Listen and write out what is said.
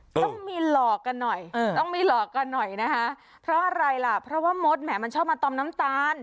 ต้องมีหลอกกันหน่อยต้องมีหลอกกันหน่อยนะคะเพราะอะไรล่ะเพราะว่ามดแหมมันชอบมาตอมน้ำตาล